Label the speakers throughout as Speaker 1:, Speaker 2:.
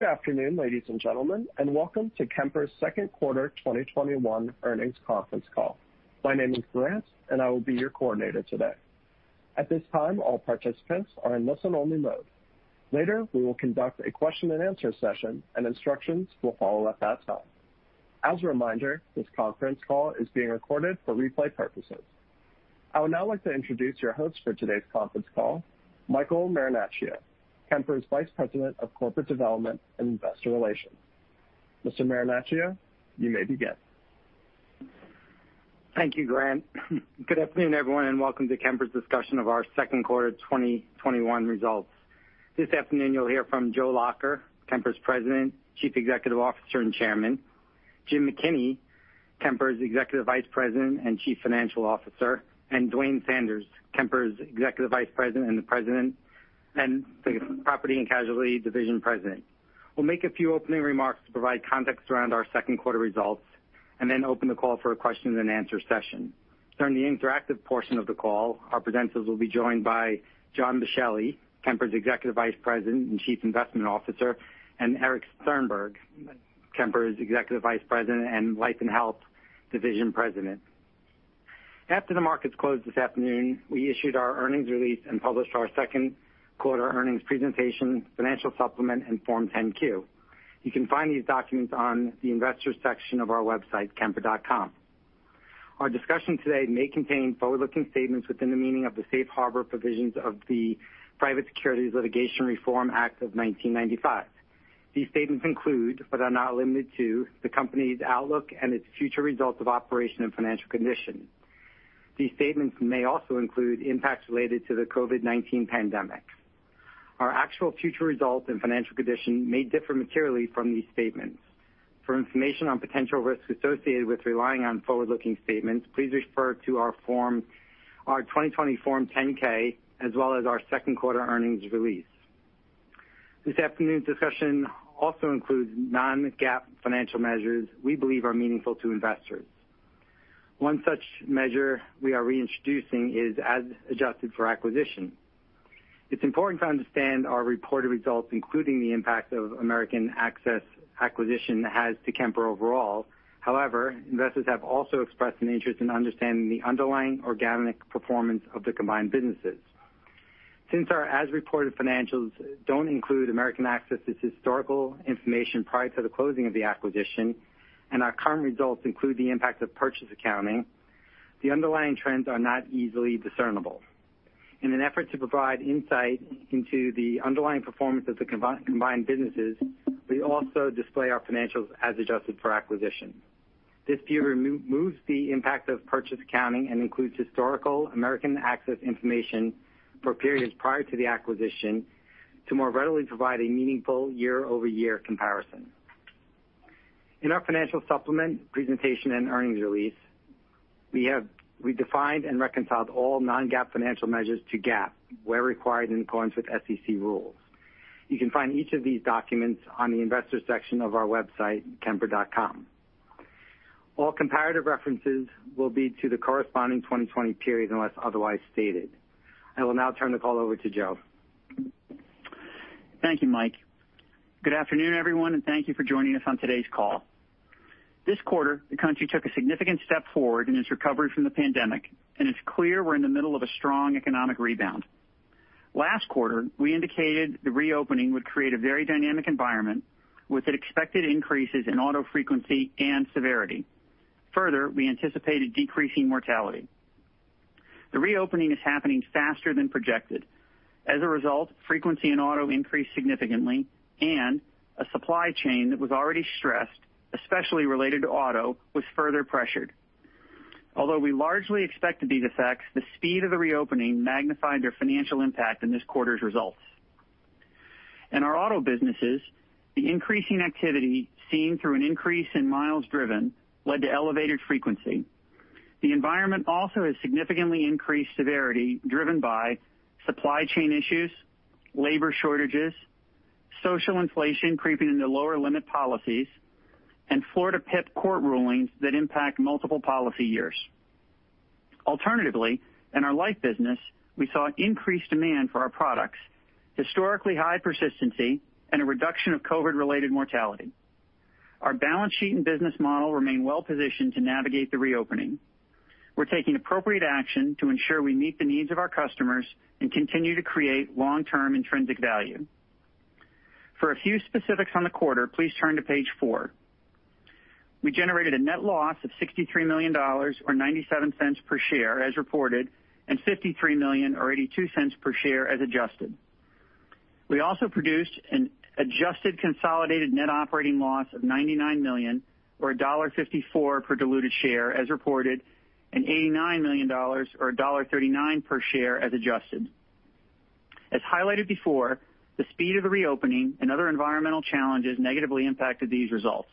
Speaker 1: Good afternoon, ladies and gentlemen, and welcome to Kemper's second quarter 2021 earnings conference call. My name is Grant, and I will be your coordinator today. At this time, all participants are in listen-only mode. Later, we will conduct a question-and-answer session, instructions will follow at that time. As a reminder, this conference call is being recorded for replay purposes. I would now like to introduce your host for today's conference call, Michael Marinaccio, Kemper's Vice President of Corporate Development and Investor Relations. Mr. Marinaccio, you may begin.
Speaker 2: Thank you, Grant. Good afternoon, everyone, and welcome to Kemper's discussion of our second quarter 2021 results. This afternoon, you'll hear from Joe Lacher, Kemper's President, Chief Executive Officer, and Chairman; Jim McKinney, Kemper's Executive Vice President and Chief Financial Officer; and Duane Sanders, Kemper's Executive Vice President and Property and Casualty Division President. We'll make a few opening remarks to provide context around our second quarter results and then open the call for a question-and-answer session. During the interactive portion of the call, our presenters will be joined by John Boschelli, Kemper's Executive Vice President and Chief Investment Officer, and Erich Sternberg, Kemper's Executive Vice President and Life and Health Division President. After the markets closed this afternoon, we issued our earnings release and published our second-quarter earnings presentation, financial supplement, and Form 10-Q. You can find these documents on the Investors section of our website, kemper.com. Our discussion today may contain forward-looking statements within the meaning of the Safe Harbor provisions of the Private Securities Litigation Reform Act of 1995. These statements include, but are not limited to, the company's outlook and its future results of operation and financial condition. These statements may also include impacts related to the COVID-19 pandemic. Our actual future results and financial condition may differ materially from these statements. For information on potential risks associated with relying on forward-looking statements, please refer to our 2020 Form 10-K, as well as our second-quarter earnings release. This afternoon's discussion also includes non-GAAP financial measures we believe are meaningful to investors. One such measure we are reintroducing is as adjusted for acquisition. It's important to understand our reported results, including the impact of American Access acquisition, has to Kemper overall. However, investors have also expressed an interest in understanding the underlying organic performance of the combined businesses. Since our as-reported financials don't include American Access's historical information prior to the closing of the acquisition and our current results include the impact of purchase accounting, the underlying trends are not easily discernible. In an effort to provide insight into the underlying performance of the combined businesses, we also display our financials as adjusted for acquisition. This view removes the impact of purchase accounting and includes historical American Access information for periods prior to the acquisition to more readily provide a meaningful year-over-year comparison. In our financial supplement presentation and earnings release, we defined and reconciled all non-GAAP financial measures to GAAP where required in accordance with SEC rules. You can find each of these documents on the Investors section of our website, kemper.com. All comparative references will be to the corresponding 2020 period, unless otherwise stated. I will now turn the call over to Joe.
Speaker 3: Thank you, Mike. Good afternoon, everyone, and thank you for joining us on today's call. This quarter, the country took a significant step forward in its recovery from the pandemic, and it's clear we're in the middle of a strong economic rebound. Last quarter, we indicated the reopening would create a very dynamic environment with expected increases in auto frequency and severity. Further, we anticipated decreasing mortality. The reopening is happening faster than projected. As a result, frequency in auto increased significantly, and a supply chain that was already stressed, especially related to auto, was further pressured. Although we largely expected these effects, the speed of the reopening magnified their financial impact in this quarter's results. In our auto businesses, the increasing activity seen through an increase in miles driven led to elevated frequency. The environment also has significantly increased severity driven by supply chain issues, labor shortages, social inflation creeping into lower limit policies, and Florida PIP court rulings that impact multiple policy years. Alternatively, in our life business, we saw increased demand for our products, historically high persistency, and a reduction of COVID-related mortality. Our balance sheet and business model remain well-positioned to navigate the reopening. We're taking appropriate action to ensure we meet the needs of our customers and continue to create long-term intrinsic value. For a few specifics on the quarter, please turn to page four. We generated a net loss of $63 million, or $0.97 per share as reported, and $53 million, or $0.82 per share as adjusted. We also produced an adjusted consolidated net operating loss of $99 million or $1.54 per diluted share as reported, and $89 million or $1.39 per share as adjusted. As highlighted before, the speed of the reopening and other environmental challenges negatively impacted these results.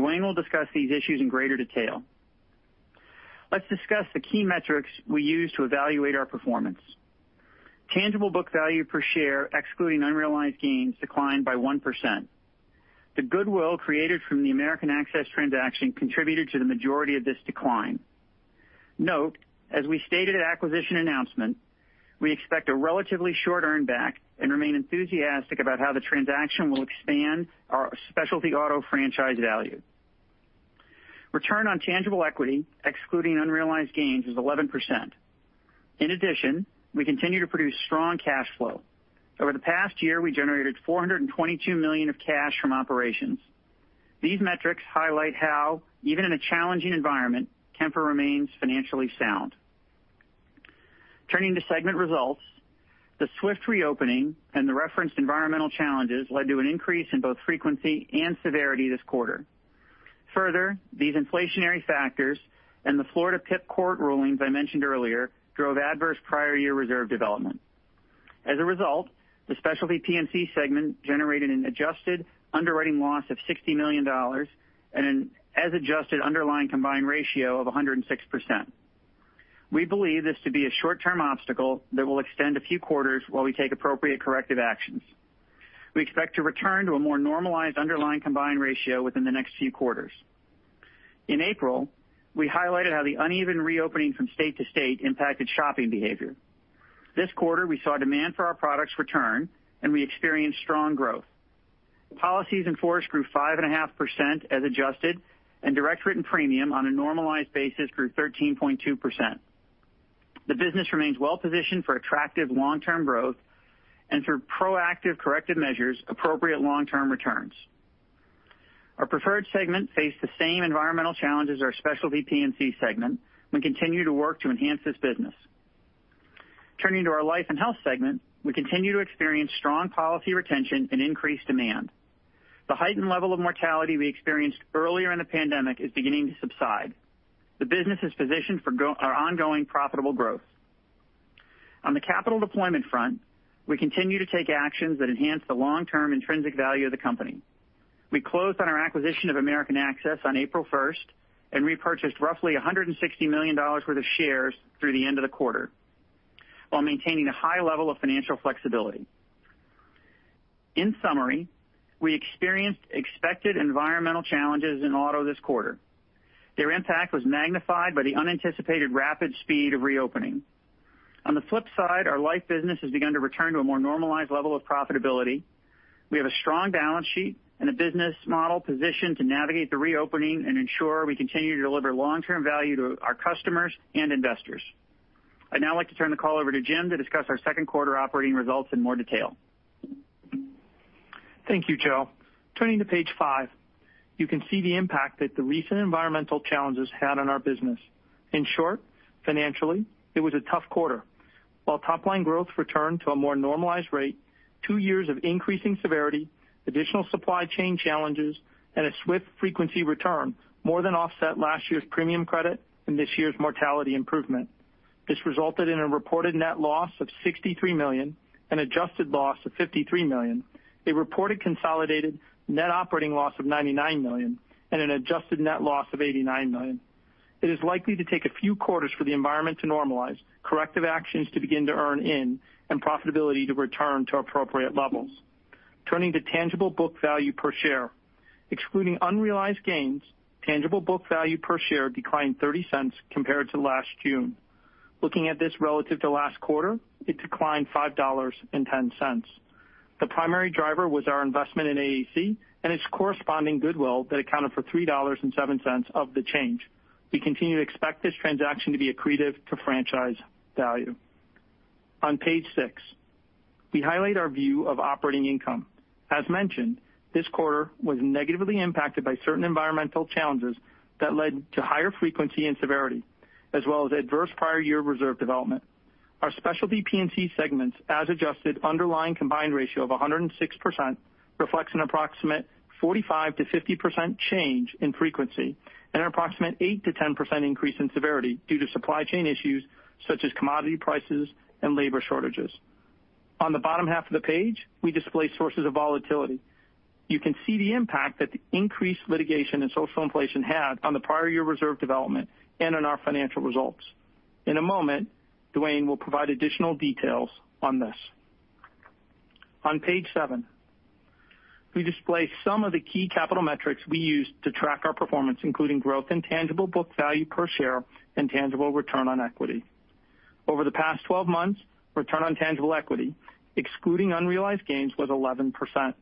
Speaker 3: Duane will discuss these issues in greater detail. Let's discuss the key metrics we use to evaluate our performance. Tangible book value per share, excluding unrealized gains, declined by 1%. The goodwill created from the American Access transaction contributed to the majority of this decline. Note, as we stated at the acquisition announcement, we expect a relatively short earn-back and remain enthusiastic about how the transaction will expand our Specialty P&C franchise value. Return on tangible equity, excluding unrealized gains, is 11%. In addition, we continue to produce strong cash flow. Over the past year, we generated $422 million of cash from operations. These metrics highlight how, even in a challenging environment, Kemper remains financially sound. Turning to segment results, the swift reopening and the referenced environmental challenges led to an increase in both frequency and severity this quarter. These inflationary factors and the Florida PIP court rulings I mentioned earlier drove adverse prior year reserve development. The Specialty P&C segment generated an adjusted underwriting loss of $60 million and an as-adjusted underlying combined ratio of 106%. We believe this to be a short-term obstacle that will extend a few quarters while we take appropriate corrective actions. We expect to return to a more normalized underlying combined ratio within the next few quarters. In April, we highlighted how the uneven reopening from state to state impacted shopping behavior. This quarter, we saw demand for our products return, and we experienced strong growth. Policies in force grew 5.5% as adjusted, and direct written premium on a normalized basis grew 13.2%. The business remains well-positioned for attractive long-term growth and, through proactive corrective measures, appropriate long-term returns. Our Preferred segment faced the same environmental challenges as our Specialty P&C segment. We continue to work to enhance this business. Turning to our Life & Health segment, we continue to experience strong policy retention and increased demand. The heightened level of mortality we experienced earlier in the pandemic is beginning to subside. The business is positioned for our ongoing profitable growth. On the capital deployment front, we continue to take actions that enhance the long-term intrinsic value of the company. We closed on our acquisition of American Access on April 1st and repurchased roughly $160 million worth of shares through the end of the quarter while maintaining a high level of financial flexibility. In summary, we experienced expected environmental challenges in auto this quarter. Their impact was magnified by the unanticipated rapid speed of reopening. On the flip side, our Life business has begun to return to a more normalized level of profitability. We have a strong balance sheet and a business model positioned to navigate the reopening and ensure we continue to deliver long-term value to our customers and investors. I'd now like to turn the call over to Jim to discuss our second quarter operating results in more detail.
Speaker 4: Thank you, Joe. Turning to page five, you can see the impact that the recent environmental challenges had on our business. In short, financially, it was a tough quarter. Top-line growth returned to a more normalized rate, two years of increasing severity, additional supply chain challenges, and a swift frequency return more than offset last year's premium credit and this year's mortality improvement. This resulted in a reported net loss of $63 million, an adjusted loss of $53 million, a reported consolidated net operating loss of $99 million, and an adjusted net loss of $89 million. It is likely to take a few quarters for the environment to normalize, corrective actions to begin to earn in, and profitability to return to appropriate levels. Turning to tangible book value per share. Excluding unrealized gains, tangible book value per share declined $0.30 compared to last June. Looking at this relative to last quarter, it declined $5.10. The primary driver was our investment in AAC and its corresponding goodwill that accounted for $3.07 of the change. We continue to expect this transaction to be accretive to franchise value. On page six, we highlight our view of operating income. As mentioned, this quarter was negatively impacted by certain environmental challenges that led to higher frequency and severity, as well as adverse prior-year reserve development. Our Specialty P&C segments, as adjusted, underlying combined ratio of 106% reflects an approximate 45%-50% change in frequency and an approximate 8%-10% increase in severity due to supply chain issues such as commodity prices and labor shortages. On the bottom half of the page, we display sources of volatility. You can see the impact that the increased litigation and social inflation had on the prior-year reserve development and on our financial results. In a moment, Duane will provide additional details on this. On page seven, we display some of the key capital metrics we use to track our performance, including growth in tangible book value per share and tangible return on equity. Over the past 12 months, return on tangible equity, excluding unrealized gains, was 11%.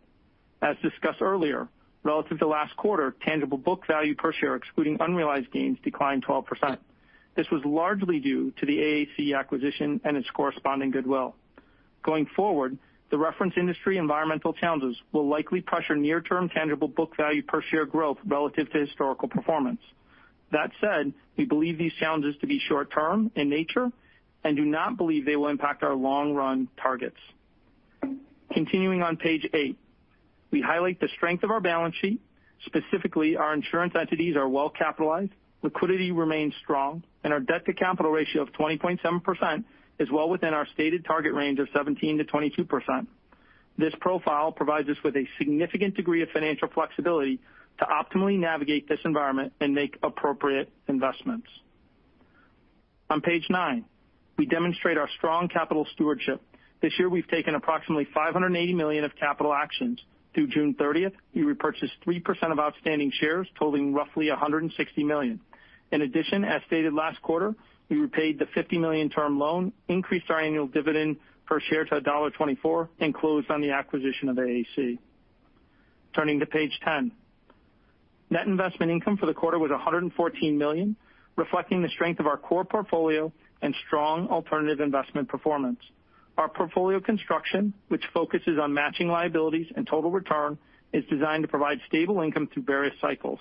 Speaker 4: As discussed earlier, relative to last quarter, tangible book value per share, excluding unrealized gains, declined 12%. This was largely due to the AAC acquisition and its corresponding goodwill. Going forward, the reference industry environmental challenges will likely pressure near-term tangible book value per share growth relative to historical performance. That said, we believe these challenges to be short-term in nature and do not believe they will impact our long-run targets. Continuing on page eight, we highlight the strength of our balance sheet. Specifically, our insurance entities are well capitalized, liquidity remains strong, and our debt-to-capital ratio of 20.7% is well within our stated target range of 17%-22%. This profile provides us with a significant degree of financial flexibility to optimally navigate this environment and make appropriate investments. On page nine, we demonstrate our strong capital stewardship. This year, we've taken approximately $580 million of capital actions. Through June 30th, we repurchased 3% of outstanding shares totaling roughly $160 million. In addition, as stated last quarter, we repaid the $50 million term loan, increased our annual dividend per share to $1.24, and closed on the acquisition of AAC. Turning to page 10. Net investment income for the quarter was $114 million, reflecting the strength of our core portfolio and strong alternative investment performance. Our portfolio construction, which focuses on matching liabilities and total return, is designed to provide stable income through various cycles.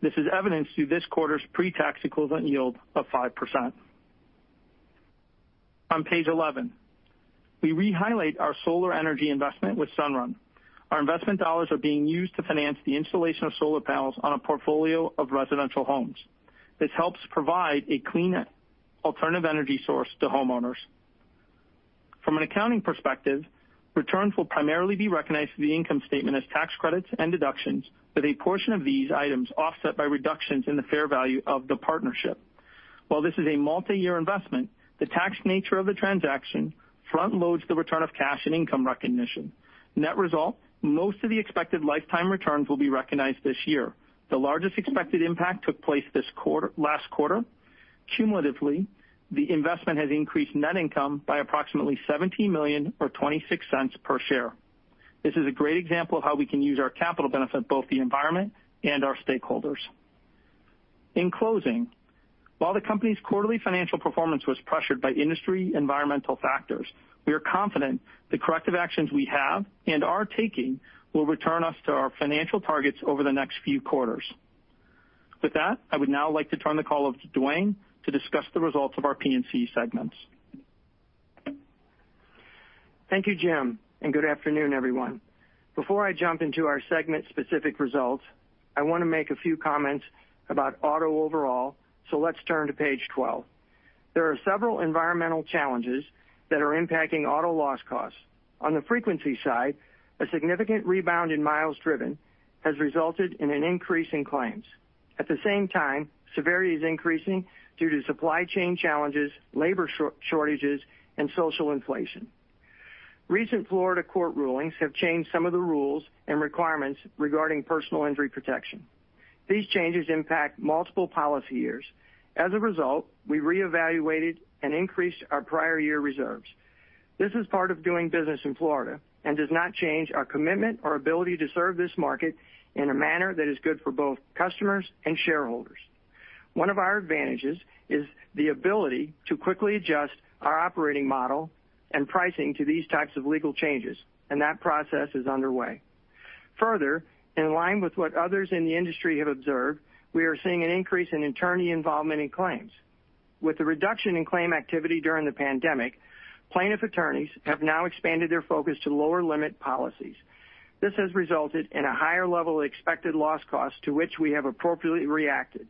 Speaker 4: This is evidenced through this quarter's pre-tax equivalent yield of 5%. On page 11, we re-highlight our solar energy investment with Sunrun. Our investment dollars are being used to finance the installation of solar panels on a portfolio of residential homes. This helps provide a clean alternative energy source to homeowners. From an accounting perspective, returns will primarily be recognized through the income statement as tax credits and deductions, with a portion of these items offset by reductions in the fair value of the partnership. While this is a multi-year investment, the tax nature of the transaction front-loads the return of cash and income recognition. Net result, most of the expected lifetime returns will be recognized this year. The largest expected impact took place last quarter. Cumulatively, the investment has increased net income by approximately $70 million or $0.26 per share. This is a great example of how we can use our capital to benefit both the environment and our stakeholders. In closing, while the company's quarterly financial performance was pressured by industry environmental factors, we are confident the corrective actions we have and are taking will return us to our financial targets over the next few quarters. With that, I would now like to turn the call over to Duane to discuss the results of our P&C segments.
Speaker 5: Thank you, Jim, and good afternoon, everyone. Before I jump into our segment-specific results, I want to make a few comments about auto overall, so let's turn to page 12. There are several environmental challenges that are impacting auto loss costs. On the frequency side, a significant rebound in miles driven has resulted in an increase in claims. At the same time, severity is increasing due to supply chain challenges, labor shortages, and social inflation. Recent Florida court rulings have changed some of the rules and requirements regarding personal injury protection. These changes impact multiple policy years. As a result, we re-evaluated and increased our prior year reserves. This is part of doing business in Florida and does not change our commitment or ability to serve this market in a manner that is good for both customers and shareholders. One of our advantages is the ability to quickly adjust our operating model and pricing to these types of legal changes, and that process is underway. Further, in line with what others in the industry have observed, we are seeing an increase in attorney involvement in claims. With the reduction in claim activity during the pandemic, plaintiff attorneys have now expanded their focus to lower limit policies. This has resulted in a higher level of expected loss costs to which we have appropriately reacted.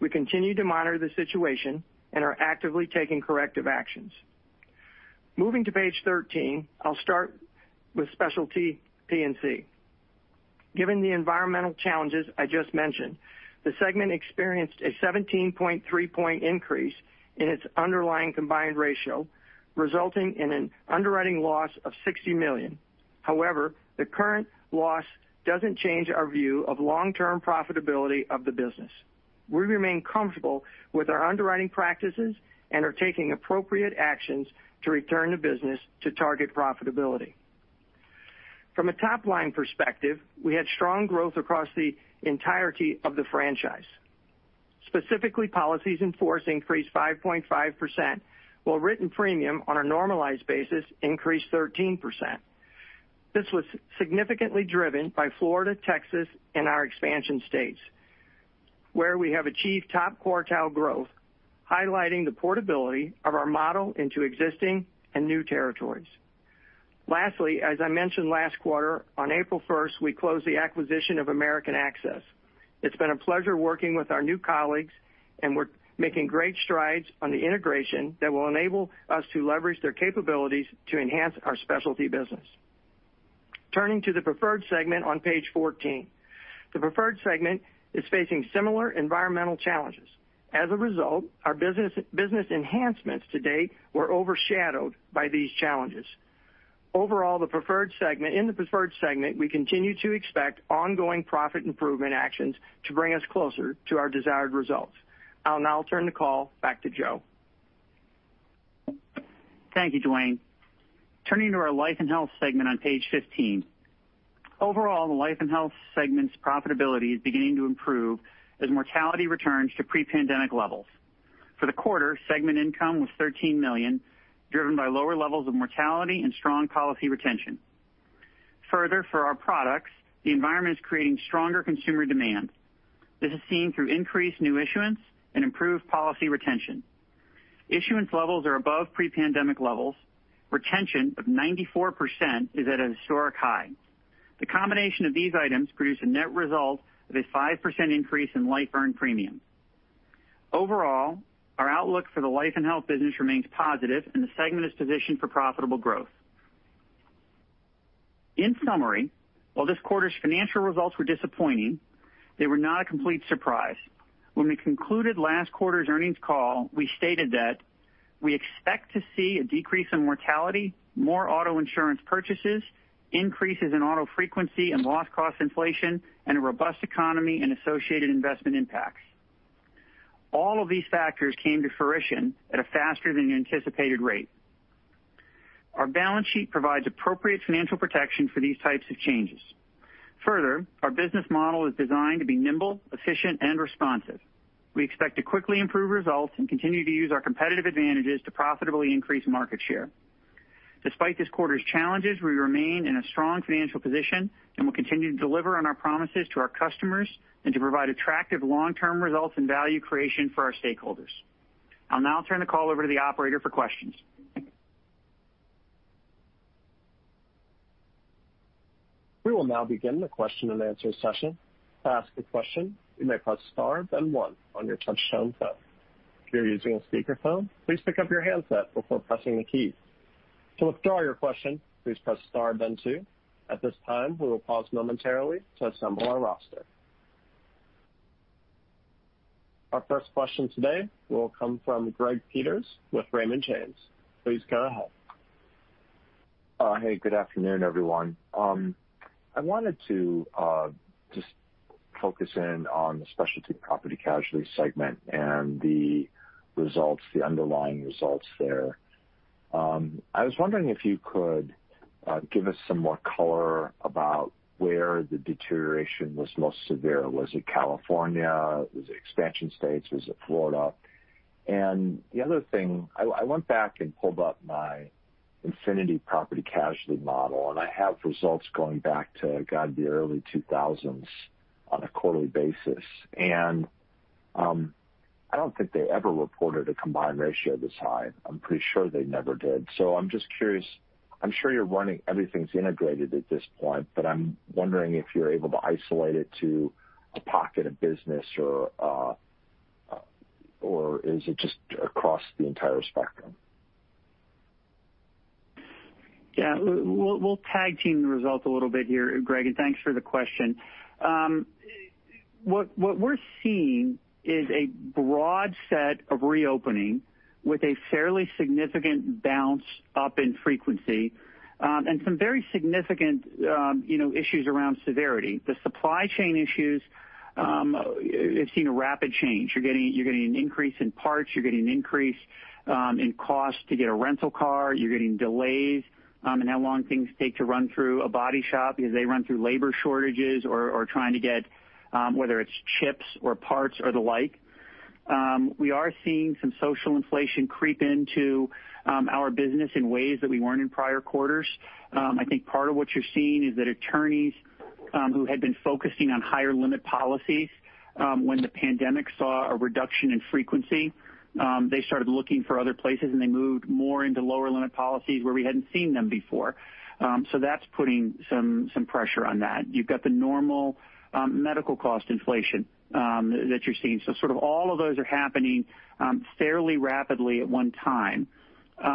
Speaker 5: We continue to monitor the situation and are actively taking corrective actions. Moving to page 13, I'll start with Specialty P&C. Given the environmental challenges I just mentioned, the segment experienced a 17.3 point increase in its underlying combined ratio, resulting in an underwriting loss of $60 million. However, the current loss doesn't change our view of the long-term profitability of the business. We remain comfortable with our underwriting practices and are taking appropriate actions to return the business to target profitability. From a top-line perspective, we had strong growth across the entirety of the franchise. Specifically, policies in force increased 5.5%, while written premiums on a normalized basis increased 13%. This was significantly driven by Florida, Texas, and our expansion states, where we have achieved top-quartile growth, highlighting the portability of our model into existing and new territories. Lastly, as I mentioned last quarter, on April 1st, we closed the acquisition of American Access. It's been a pleasure working with our new colleagues, and we're making great strides on the integration that will enable us to leverage their capabilities to enhance our specialty business. Turning to the Preferred segment on page 14. The Preferred segment is facing similar environmental challenges. As a result, our business enhancements to date were overshadowed by these challenges. Overall, in the Preferred segment, we continue to expect ongoing profit improvement actions to bring us closer to our desired results. I'll now turn the call back to Joe.
Speaker 3: Thank you, Duane. Turning to our Life & Health segment on page 15. Overall, the Life & Health segment's profitability is beginning to improve as mortality returns to pre-pandemic levels. For the quarter, segment income was $13 million, driven by lower levels of mortality and strong policy retention. For our products, the environment is creating stronger consumer demand. This is seen through increased new issuance and improved policy retention. Issuance levels are above pre-pandemic levels. Retention of 94% is at a historic high. The combination of these items produces a net result of a 5% increase in life earned premium. Our outlook for the Life & Health business remains positive, and the segment is positioned for profitable growth. In summary, while this quarter's financial results were disappointing, they were not a complete surprise. When we concluded last quarter's earnings call, we stated that we expect to see a decrease in mortality, more auto insurance purchases, increases in auto frequency and loss cost inflation, and a robust economy and associated investment impacts. All of these factors came to fruition at a faster-than-anticipated rate. Our balance sheet provides appropriate financial protection for these types of changes. Further, our business model is designed to be nimble, efficient, and responsive. We expect to quickly improve results and continue to use our competitive advantages to profitably increase market share. Despite this quarter's challenges, we remain in a strong financial position and will continue to deliver on our promises to our customers and to provide attractive long-term results and value creation for our stakeholders. I'll now turn the call over to the operator for questions. Thank you.
Speaker 1: We will now begin the question-and-answer session. To ask a question, you may press star then one on your touchtone phone. If you are using a speakerphone, please pick up your handset before passing the key. To withdraw your question, please press star, then two. At this time, we will pause momentarily to assemble our roster. Our first question today will come from Greg Peters with Raymond James. Please go ahead.
Speaker 6: Hey, good afternoon, everyone. I wanted to just focus in on the Specialty P&C segment and the underlying results there. I was wondering if you could give us some more color about where the deterioration was most severe. Was it California? Was it expansion states? Was it Florida? The other thing, I went back and pulled up my Infinity Property and Casualty model, and I have results going back to, God, the early 2000s on a quarterly basis. I don't think they ever reported a combined ratio this high. I'm pretty sure they never did. I'm just curious. I'm sure everything's integrated at this point, but I'm wondering if you're able to isolate it to a pocket of business, or is it's just across the entire spectrum?
Speaker 3: Yeah. We'll tag-team the results a little bit here, Greg, and thanks for the question. What we're seeing is a broad set of reopenings with a fairly significant bounce up in frequency, and some very significant issues around severity. The supply chain issues have seen a rapid change. You're getting an increase in parts. You're getting an increase in cost to get a rental car. You're getting delays in how long things take to run through a body shop because they run through labor shortages or trying to get, whether it's chips or parts or the like. We are seeing some social inflation creep into our business in ways that we weren't in prior quarters. I think part of what you're seeing is that attorneys who had been focusing on higher-limit policies when the pandemic saw a reduction in frequency, they started looking for other places, and they moved more into lower-limit policies where we hadn't seen them before. That's putting some pressure on that. You've got the normal medical cost inflation that you're seeing. Sort of all of those are happening fairly rapidly at one time.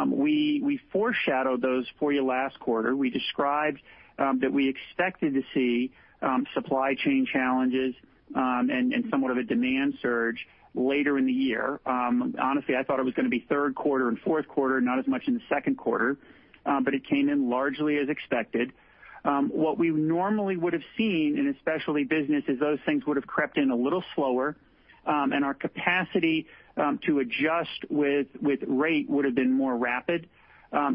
Speaker 3: We foreshadowed those for you last quarter. We described that we expected to see supply chain challenges and a somewhat of a demand surge later in the year. Honestly, I thought it was going to be third quarter and fourth quarter, not as much in the second quarter, but it came in largely as expected. What we normally would've seen in a specialty business is those things would've crept in a little slower, and our capacity to adjust with rate would've been more rapid.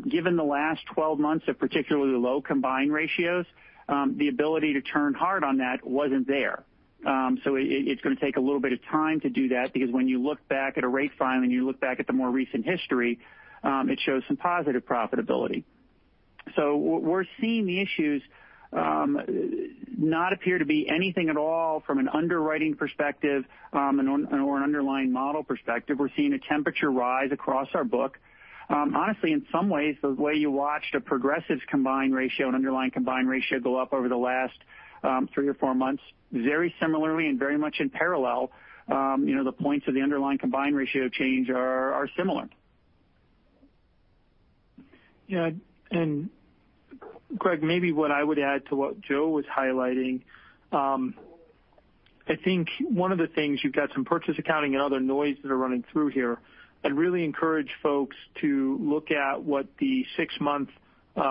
Speaker 3: Given the last 12 months of particularly low combined ratios, the ability to turn hard on that wasn't there. It's going to take a little bit of time to do that because when you look back at a rate file, and you look back at the more recent history, it shows some positive profitability. We're seeing the issues not appear to be anything at all from an underwriting perspective or an underlying model perspective. We're seeing a temperature rise across our book. Honestly, in some ways, the way you watched a Progressive combined ratio, an underlying combined ratio go up over the last three or four months, very similarly and very much in parallel, the points of the underlying combined ratio change are similar.
Speaker 4: Yeah. Greg, maybe what I would add to what Joe was highlighting, I think one of the things, you've got some purchase accounting and other noise that are running through here. I'd really encourage folks to look at what the six-month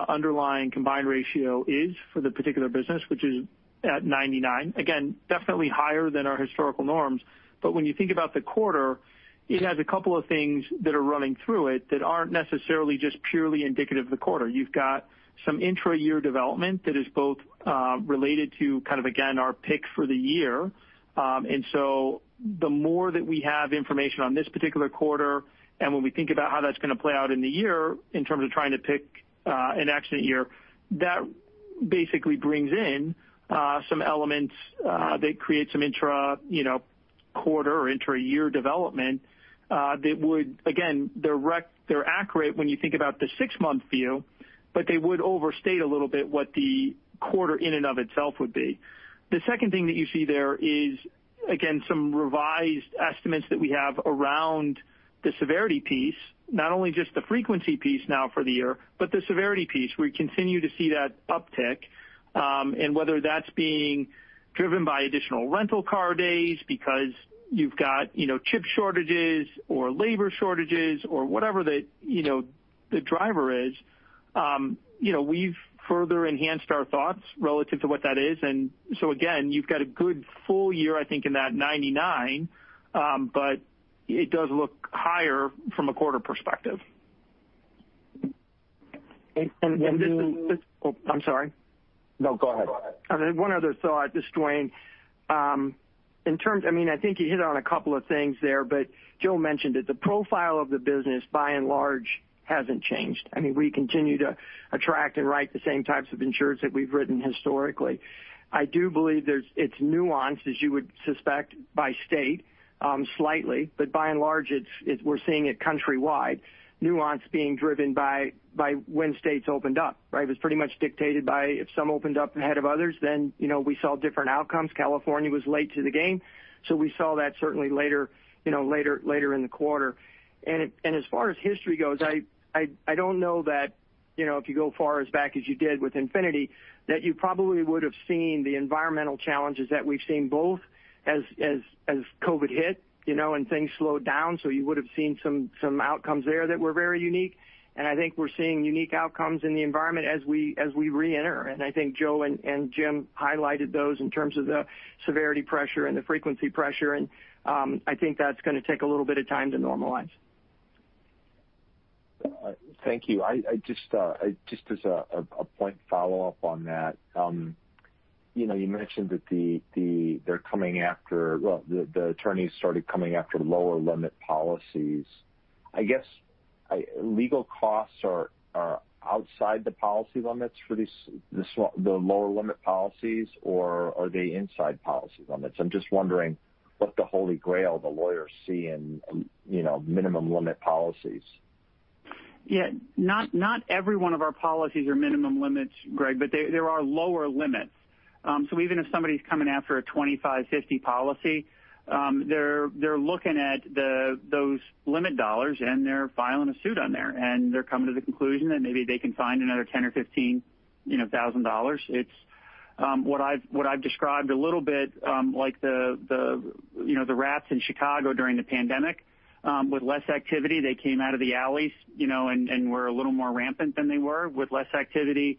Speaker 4: underlying combined ratio is for the particular business, which is at 99%. Again, definitely higher than our historical norms. When you think about the quarter, it has a couple of things that are running through it that aren't necessarily just purely indicative of the quarter. You've got some intra-year development that is both related to, kind of again, our pick for the year. The more that we have information on this particular quarter, and when we think about how that's going to play out in the year in terms of trying to pick an accident year, that basically brings in some elements that create some intra-quarter or intra-year development that would, again, they're accurate when you think about the six-month view, but they would overstate a little bit what the quarter in and of itself would be. The second thing that you see there is, again, some revised estimates that we have around the severity piece, not only just the frequency piece now for the year, but the severity piece. We continue to see that uptick, and whether that's being driven by additional rental car days because you've got chip shortages or labor shortages or whatever the driver is. We've further enhanced our thoughts relative to what that is. Again, you've got a good full year, I think, in that 99%, but it does look higher from a quarter perspective.
Speaker 6: And this is-
Speaker 4: Oh, I'm sorry.
Speaker 6: No, go ahead.
Speaker 5: One other thought, this is Duane. I think you hit on a couple of things there, but Joe mentioned it, the profile of the business, by and large, hasn't changed. We continue to attract and write the same types of insurance that we've written historically. I do believe it's nuanced, as you would suspect by state, slightly, but by and large, we're seeing it countrywide, nuance being driven by when states opened up, right? It was pretty much dictated by if some opened up ahead of others, then we saw different outcomes. California was late to the game, so we saw that certainly later in the quarter. As far as history goes, I don't know that if you go as far back as you did with Infinity, that you probably would've seen the environmental challenges that we've seen both as COVID hit, and things slowed down. You would've seen some outcomes there that were very unique. I think we're seeing unique outcomes in the environment as we reenter. I think Joe and Jim highlighted those in terms of the severity pressure and the frequency pressure. I think that's going to take a little bit of time to normalize.
Speaker 6: Thank you. Just as a point, follow up on that. You mentioned that they're coming after. Well, the attorneys started coming after the lower-limit policies. I guess legal costs are outside the policy limits for the lower-limit policies, or are they inside policy limits? I'm just wondering what the holy grail the lawyers see in minimum limit policies.
Speaker 3: Yeah. Not every one of our policies are minimum limit, Greg, but there are lower limits. Even if somebody's coming after a 25/50 policy, they're looking at those limit dollars, and they're filing a suit on there. They're coming to the conclusion that maybe they can find another $10,000 or $15,000. It's what I've described a little bit like the rats in Chicago during the pandemic. With less activity, they came out of the alleys and were a little more rampant than they were. With less activity,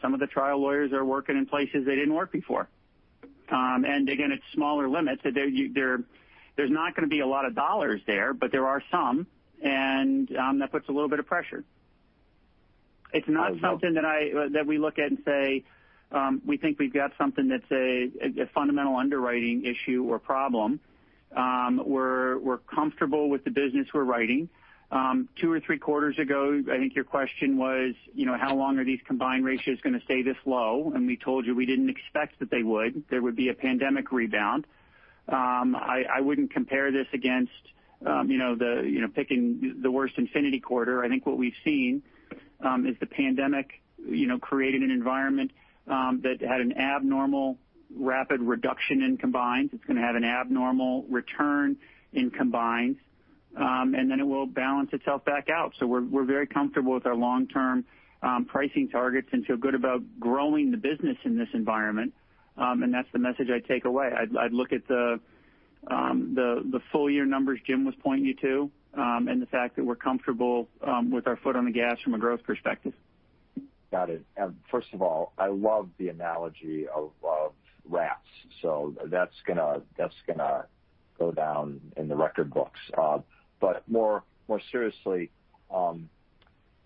Speaker 3: some of the trial lawyers are working in places they didn't work before. Again, it's smaller limits. There's not going to be a lot of dollars there, but there are some, and that puts a little bit of pressure. It's not something that we look at and say, " We think we've got something that's a fundamental underwriting issue or problem. We're comfortable with the business we're writing. Two or three quarters ago, I think your question was, how long are these combined ratios going to stay this low? We told you we didn't expect that they would. There would be a pandemic rebound. I wouldn't compare this against picking the worst Infinity quarter. I think what we've seen is the pandemic created an environment that had an abnormal, rapid reduction in combines. It's going to have an abnormal return in combines. Then it will balance itself back out. We're very comfortable with our long-term pricing targets and feel good about growing the business in this environment. That's the message I'd take away. I'd look at the full-year numbers Jim was pointing you to, and the fact that we're comfortable with our foot on the gas from a growth perspective.
Speaker 6: Got it. First of all, I love the analogy of rats. That's going to go down in the record books. More seriously,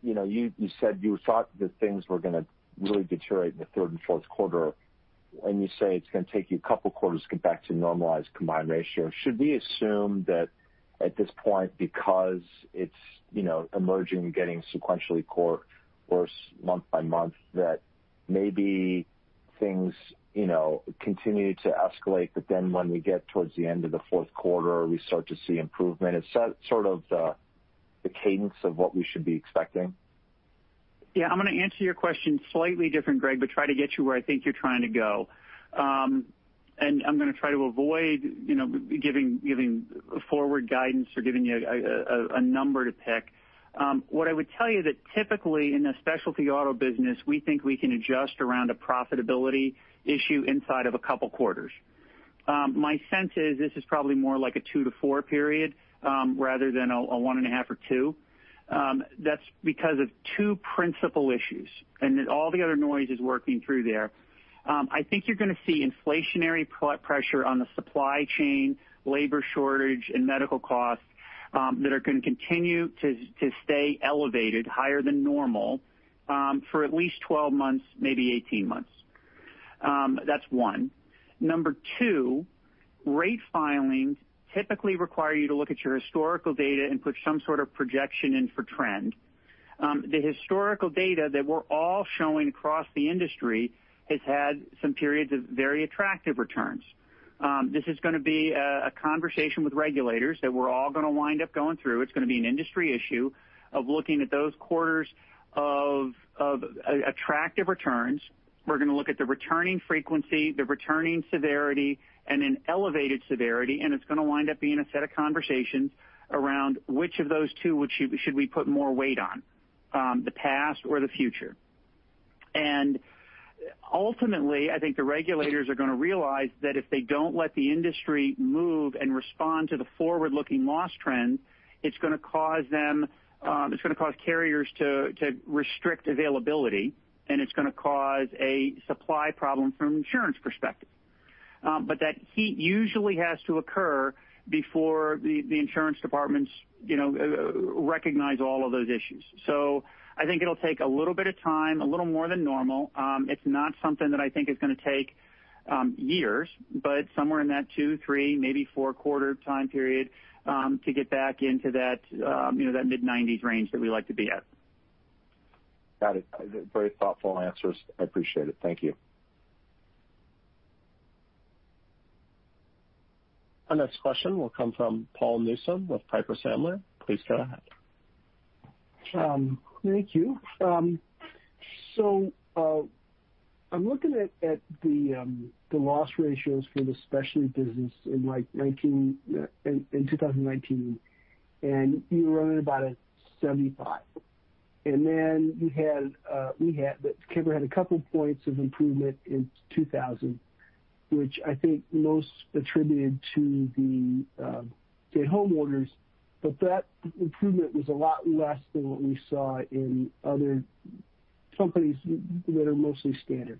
Speaker 6: you said you thought that things were going to really deteriorate in the third and fourth quarter, and you say it's going to take you two quarters to get back to a normalized combined ratio. Should we assume that at this point, because it's emerging, getting sequentially core month-by-month, that maybe things continue to escalate, but then when we get towards the end of the fourth quarter, we start to see improvement? Is that sort of the cadence of what we should be expecting?
Speaker 3: Yeah. I'm going to answer your question slightly different, Greg, but try to get you where I think you're trying to go. I'm going to try to avoid giving forward guidance or giving you a number to pick. What I would tell you is that typically in the specialty auto business, we think we can adjust around a profitability issue inside of a couple of quarters. My sense is this is probably more like a two to four period, rather than a one and a half or two. That's because of two principal issues, and then all the other noise is working through there. I think you're going to see inflationary pressure on the supply chain, labor shortage, and medical costs that are going to continue to stay elevated higher than normal, for at least 12 months, maybe 18 months. That's one. Number two, rate filings typically require you to look at your historical data and put some sort of projection in for trend. The historical data that we're all showing across the industry has had some periods of very attractive returns. This is going to be a conversation with regulators that we're all going to wind up going through. It's going to be an industry issue of looking at those quarters of attractive returns. We're going to look at the returning frequency, the returning severity, and then the elevated severity, and it's going to wind up being a set of conversations around which of those two we should put more weight on, the past or the future. Ultimately, I think the regulators are going to realize that if they don't let the industry move and respond to the forward-looking loss trend, it's going to cause carriers to restrict availability, and it's going to cause a supply problem from an insurance perspective. That heat usually has to occur before the insurance departments recognize all of those issues. I think it'll take a little bit of time, a little more than normal. It's not something that I think is going to take years, but somewhere in that two, three, maybe four quarter time period to get back into that mid-90s range that we like to be at.
Speaker 6: Got it. Very thoughtful answers. I appreciate it. Thank you.
Speaker 1: Our next question will come from Paul Newsome with Piper Sandler. Please go ahead.
Speaker 7: Thank you. I'm looking at the loss ratios for the Specialty business in 2019, and you were running about 75%. Kemper had a couple of points of improvement in 2000, which I think most attributed to the stay-at-home orders, but that improvement was a lot less than what we saw in other companies that are mostly standard.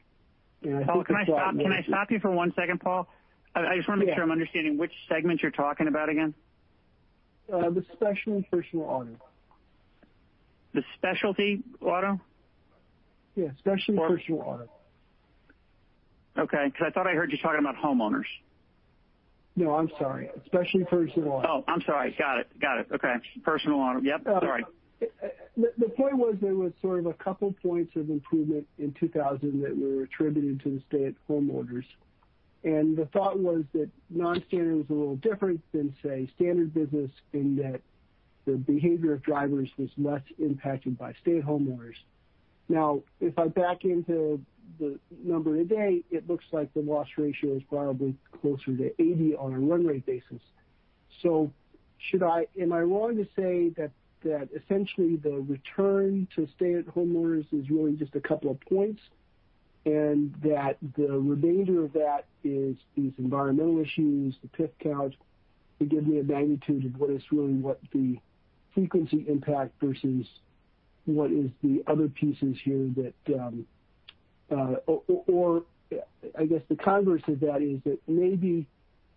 Speaker 7: I think the thought was.
Speaker 3: Paul, can I stop you for one second, Paul? I just want to make sure I'm understanding which segment you're talking about again.
Speaker 7: The Specialty Personal Auto.
Speaker 3: The Specialty Auto?
Speaker 7: Yeah. Specialty Personal Auto.
Speaker 3: Okay, because I thought I heard you talking about homeowners.
Speaker 7: No, I'm sorry. Specialty Personal Auto.
Speaker 3: Oh, I'm sorry. Got it. Okay. Personal Auto. Yep, sorry.
Speaker 7: The point was there was sort of two points of improvement in 2020 that were attributed to the stay-at-home orders. The thought was that non-standard was a little different than, say, standard business in that the behavior of drivers was less impacted by stay-at-home orders. If I back into the number today, it looks like the loss ratio is probably closer to 80% on a run rate basis. Am I wrong to say that essentially the return to stay-at-home orders is really just two points, and that the remainder of that is these environmental issues, the PIP counts to give me a magnitude of what is really what the frequency impact versus what is the other pieces here, or I guess the converse of that is that maybe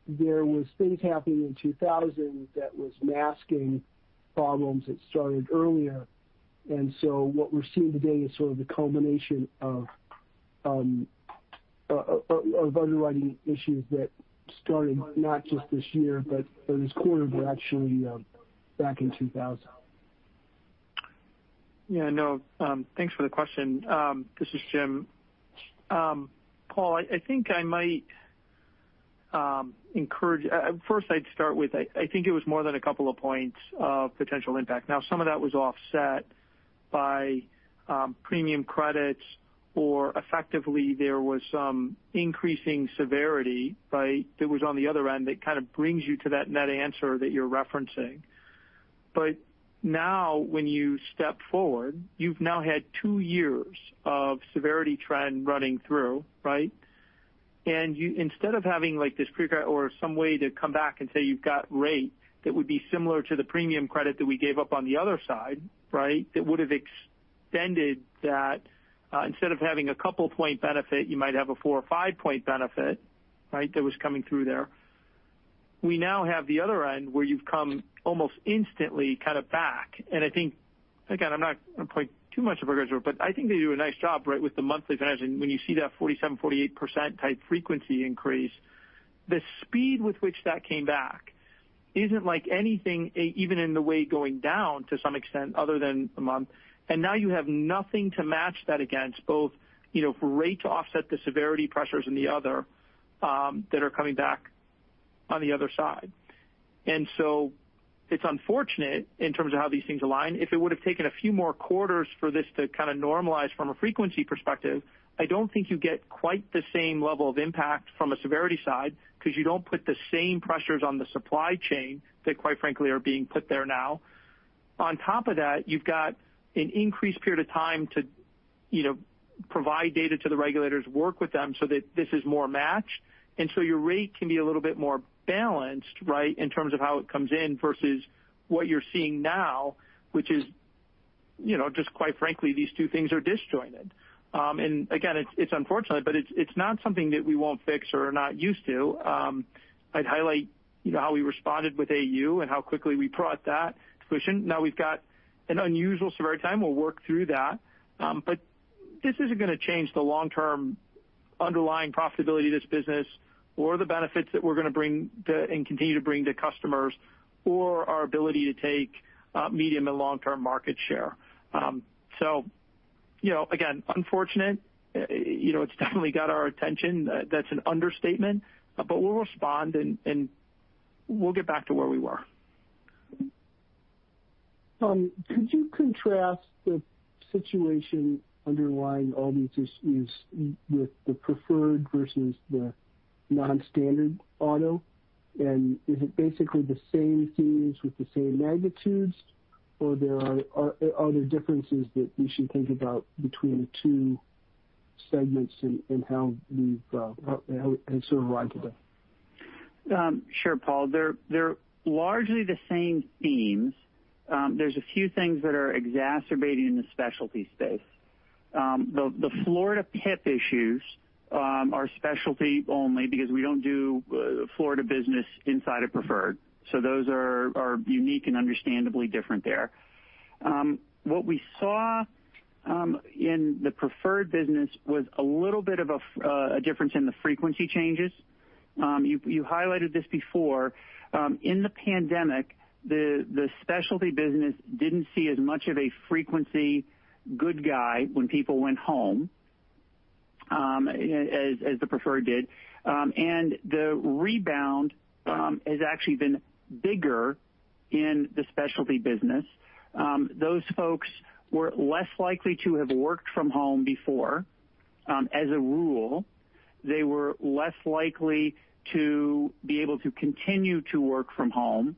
Speaker 7: there was things happening in 2020 that was masking problems that started earlier. What we're seeing today is sort of the culmination of underwriting issues that started not just this year, but those quarters were actually back in 2000.
Speaker 4: Yeah. No. Thanks for the question. This is Jim. Paul, I'd start with, I think it was more than two points of potential impact. Now, some of that was offset by premium credits, or effectively, there was some increasing severity that was on the other end that kind of brings you to that net answer that you're referencing. Now, when you step forward, you've now had two years of severity trend running through, right? Instead of having this pre-cut or some way to come back and say you've got rate, that would be similar to the premium credit that we gave up on the other side, right? That would've extended that. Instead of having a couple of points benefit, you might have a four or five-point benefit that was coming through there. We now have the other end, where you've come almost instantly back. I think, again, I'm not going to point too much of our guys here, but I think they do a nice job with the monthly financing. When you see that 47%, 48% type frequency increase, the speed with which that came back isn't like anything, even in the way going down to some extent other than a month. Now you have nothing to match that against both for the rate to offset the severity pressures in the other that are coming back on the other side. It's unfortunate in terms of how these things align. If it would've taken a few more quarters for this to normalize from a frequency perspective, I don't think you get quite the same level of impact from a severity side because you don't put the same pressures on the supply chain that, quite frankly, are being put there now. On top of that, you've got an increased period of time to provide data to the regulators, work with them so that this is more matched, and so your rate can be a little bit more balanced, right? In terms of how it comes in versus what you're seeing now, which is just quite frankly, these two things are disjointed. Again, it's unfortunate, but it's not something that we won't fix or are not used to. I'd highlight how we responded with AU and how quickly we brought that to fruition. Now we've got an unusual severity time. We'll work through that. This isn't going to change the long-term underlying profitability of this business or the benefits that we're going to bring and continue to bring to customers or our ability to take medium and long-term market share. Again, unfortunate. It's definitely got our attention. That's an understatement. We'll respond, and we'll get back to where we were.
Speaker 7: Joseph Lacher, could you contrast the situation underlying all these issues with the Preferred versus the non-standard auto? Is it basically the same themes with the same magnitudes, or are there differences that we should think about between the two segments and how it sort of arrived today?
Speaker 3: Sure, Paul. They're largely the same themes. There's a few things that are exacerbating the specialty space. The Florida PIP issues are Specialty only because we don't do Florida business inside of Preferred. Those are unique and understandably different there. What we saw in the Preferred business was a little bit of a difference in the frequency changes. You highlighted this before. In the pandemic, the Specialty business didn't see as much of a frequency good guy when people went home, as the Preferred did. The rebound has actually been bigger in the Specialty business. Those folks were less likely to have worked from home before, as a rule. They were less likely to be able to continue to work from home.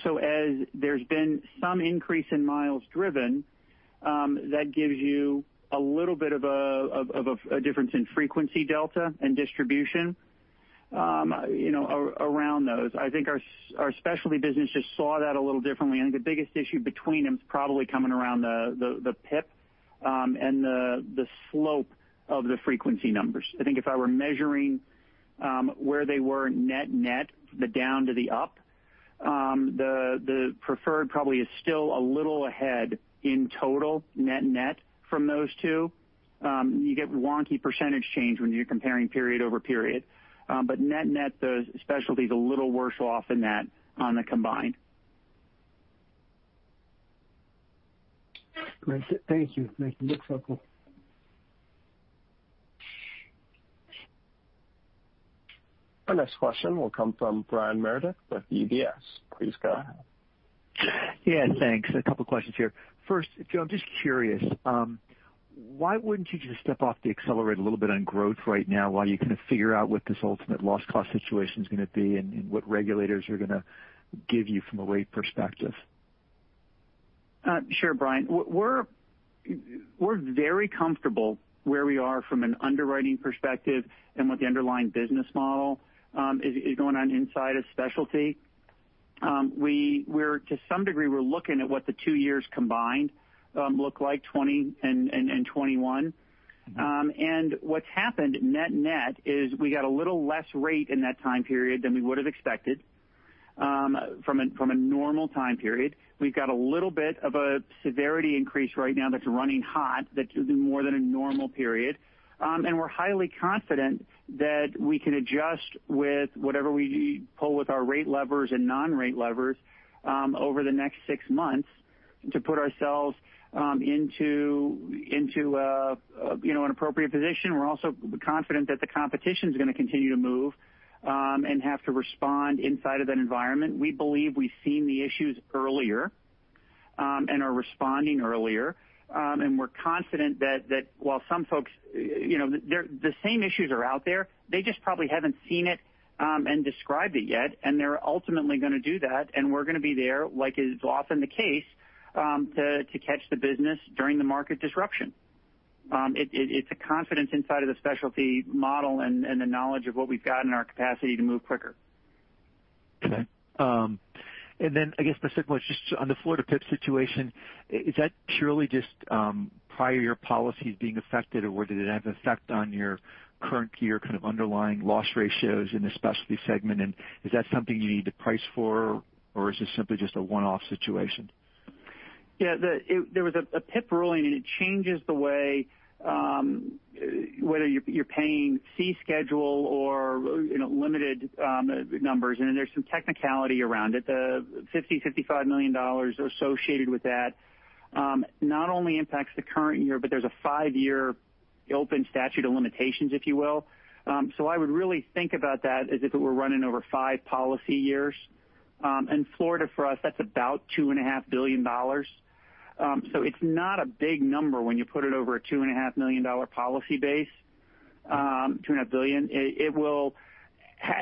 Speaker 3: As there's been some increase in miles driven, that gives you a little bit of a difference in frequency delta and distribution around those. I think our Specialty business just saw that a little differently, and the biggest issue between them is probably coming around the PIP and the slope of the frequency numbers. I think if I were measuring where they were net-net, the down to the up, the Preferred probably is still a little ahead in total net-net from those two. You get a wonky percentage change when you're comparing period over period. Net-net, the Specialty's a little worse off in that on the combined.
Speaker 7: Great. Thank you. Thank you. Look forward.
Speaker 1: Our next question will come from Brian Meredith with UBS. Please go ahead.
Speaker 8: Yeah, thanks. A couple of questions here. First, Joe, I'm just curious. Why wouldn't you just step off the accelerator a little bit on growth right now, while you kind of figure out what this ultimate loss cost situation's going to be and what regulators are going to give you from a rate perspective?
Speaker 3: Sure, Brian. We're very comfortable where we are from an underwriting perspective and what the underlying business model is going on inside of Specialty. To some degree, we're looking at what the two years combined look like, 2020 and 2021. What's happened net-net is we got a little less rate in that time period than we would've expected from a normal time period. We've got a little bit of a severity increase right now that's running hot, that could do more than a normal period. We're highly confident that we can adjust with whatever we pull with our rate levers and non-rate levers over the next six months to put ourselves into an appropriate position. We're also confident that the competition's going to continue to move and have to respond inside of that environment. We believe we've seen the issues earlier and are responding earlier. We're confident that while the same issues are out there, they just probably haven't seen it and described it yet. They're ultimately going to do that. We're going to be there, like is often the case, to catch the business during the market disruption. It's a confidence inside of the Specialty model and the knowledge of what we've got and our capacity to move quicker.
Speaker 8: Okay. I guess my second one is just on the Florida PIP situation. Is that purely just prior year policies being affected, or did it have an effect on your current year kind of underlying loss ratios in the Specialty segment? Is that something you need to price for, or is this simply just a one-off situation?
Speaker 3: Yeah. There was a PIP ruling, it changes the way whether you're paying fee schedule or limited numbers, then there's some technicality around it. The $50, $55 million associated with that not only impacts the current year, there's a five-year open statute of limitations, if you will. I would really think about that as if it were running over five policy years. In Florida, for us, that's about $2.5 billion. It's not a big number when you put it over a $2.5 million policy base, $2.5 billion. It will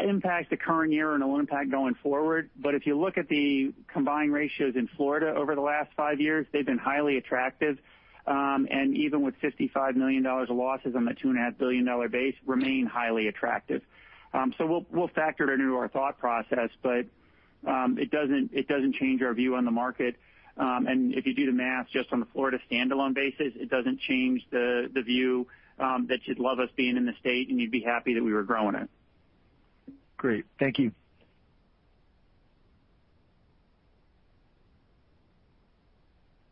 Speaker 3: impact the current year, and it'll impact going forward. If you look at the combined ratios in Florida over the last five years, they've been highly attractive. Even with $55 million of losses on the $2.5 billion base, remain highly attractive. We'll factor it into our thought process, but it doesn't change our view on the market. If you do the math just on the Florida standalone basis, it doesn't change the view that you'd love us being in the state and you'd be happy that we were growing it.
Speaker 8: Great. Thank you.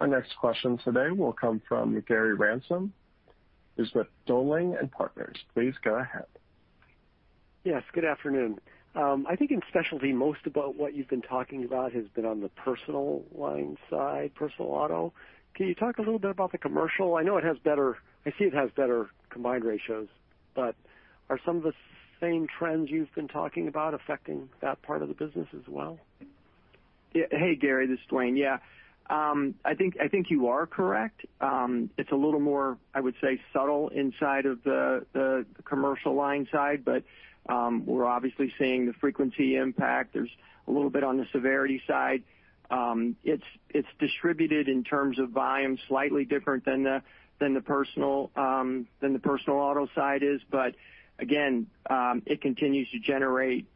Speaker 1: Our next question today will come from Gary Ransom, who's with Dowling & Partners. Please go ahead.
Speaker 9: Yes. Good afternoon. I think in Specialty, most about what you've been talking about has been on the personal line side, personal auto. Can you talk a little bit about the commercial? I see it has better combined ratios, but are some of the same trends you've been talking about affecting that part of the business as well?
Speaker 5: Hey, Gary, this is Duane Sanders. I think you are correct. It's a little more, I would say, subtle inside of the commercial line side, but we're obviously seeing the frequency impact. There's a little bit on the severity side. It's distributed in terms of volume slightly different than the personal auto side is. Again, it continues to generate